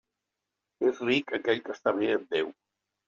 És ric aquell que està bé amb Déu.